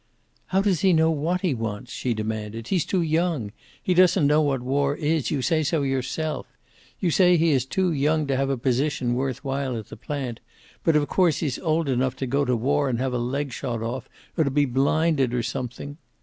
"How does he know what he wants?" she demanded. "He's too young. He doesn't know what war is; you say so yourself. You say he is too young to have a position worth while at the plant, but of course he's old enough to go to war and have a leg shot off, or to be blinded, or something."